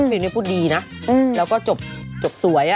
ฟิล์มพูดดีนะแล้วก็จบสวย